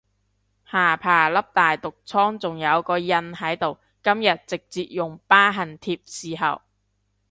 下巴粒大毒瘡仲有個印喺度，今日直接用疤痕貼侍候